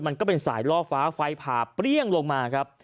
มันก็เป็นสายล่อฟ้าไฟผ่าเปรี้ยงลงมาครับ